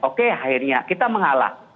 oke akhirnya kita mengalah